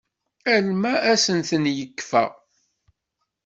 Alma asen-ten-yekfa.